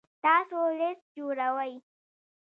تاسو لیست جوړوئ؟